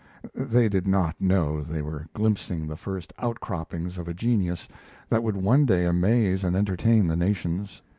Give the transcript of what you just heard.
They did not know they were glimpsing the first outcroppings of a genius that would one day amaze and entertain the nations.